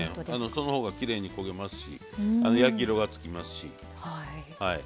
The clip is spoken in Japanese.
その方がきれいに焦げますし焼き色がつきますしはい。